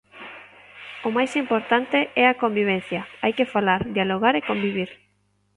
O máis importante é a convivencia, hai que falar, dialogar e convivir.